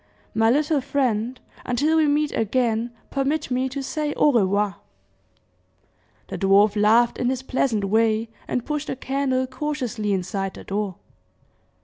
My little friend, until we meet again, permit me to say, au revoir." The dwarf laughed in his pleasant way, and pushed the candle cautiously inside the door.